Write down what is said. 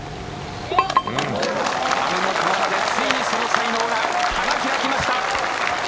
川奈でついにその才能が花開きました。